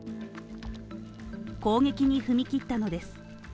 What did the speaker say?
攻撃に踏み切ったのです。